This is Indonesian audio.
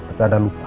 tapi anda lupa